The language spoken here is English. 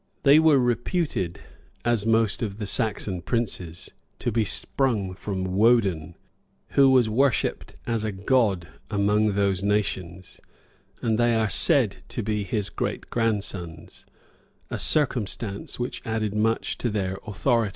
They were reputed, as most of the Saxon princes, to be sprung from Woden, who was worshipped as a god among those nations, and they are said to be his great grandsons;[*] a circumstance which added much to their authority.